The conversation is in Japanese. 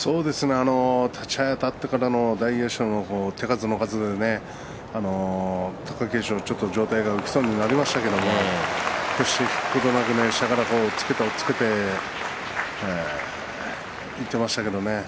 立ち合いあたってからの大栄翔の手数貴景勝が少し上体が起きそうになりましたけれども下から押っつけて押っつけていっていましたけれどね。